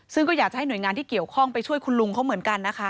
ซึ่งก็อยากจะให้หน่วยงานที่เกี่ยวข้องไปช่วยคุณลุงเขาเหมือนกันนะคะ